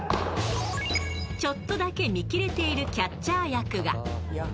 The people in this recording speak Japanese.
ちょっとだけ見切れているキャッチャー役が。